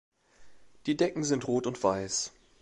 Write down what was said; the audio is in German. Die Decken sind Rot und Weiß.